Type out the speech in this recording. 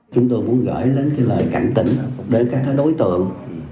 chúng tôi muốn gửi đến lời cảnh tỉnh đến các đối tượng